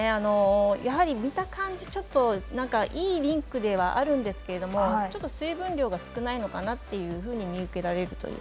やはり見た感じ、ちょっといいリンクではあるんですけれどちょっと水分量が少ないのかなと見受けられる。